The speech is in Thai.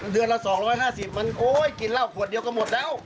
เดือนละ๒๕๐มันโอ๊ยกินเหล้าขวดเดียวก็หมดแล้ว